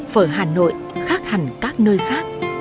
phở hà nội khác hẳn các nơi khác